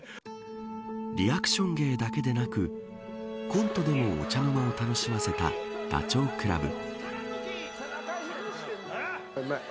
リアクション芸だけでなくコントでもお茶の間を楽しませたダチョウ倶楽部。